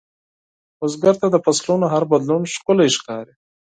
بزګر ته د فصلونـو هر بدلون ښکلی ښکاري